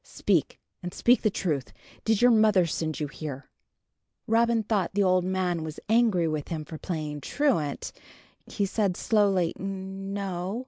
"Speak, and speak the truth! Did your mother send you here?" Robin thought the old man was angry with them for playing truant. He said, slowly, "N no.